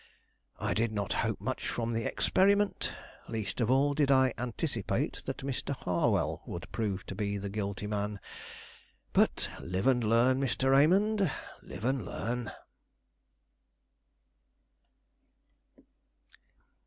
I did not hope much from the experiment; least of all did I anticipate that Mr. Harwell would prove to be the guilty man but live and learn, Mr. Raymond, live and learn."